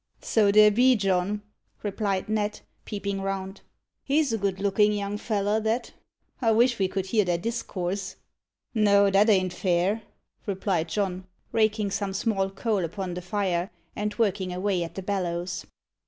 "So there be, John," replied Ned, peeping round. "He's a good lookin' young feller that. I wish ve could hear their discoorse." "No, that ain't fair," replied John, raking some small coal upon the fire, and working away at the bellows.